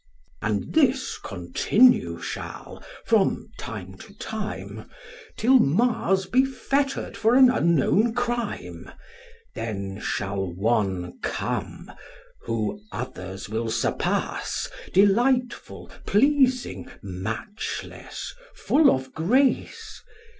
And this continue shall from time to time, Till Mars be fetter'd for an unknown crime; Then shall one come, who others will surpass, Delightful, pleasing, matchless, full of grace.